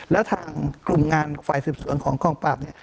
และทางกลุ่มงานไฟศึกษวนของคล่องปั๊บเนี่ย